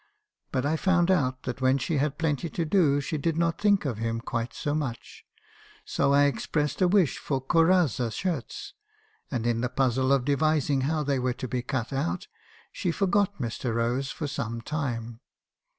But I found out that when she had plenty to do she did not think of him quite so much ; so I expressed a wish for Corazza shirts, and in the puzzle of devising how they were to be cut out, she forgot Mr. Rose for some time.